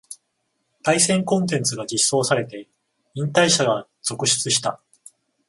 対戦コンテンツが実装されて引退者が続出した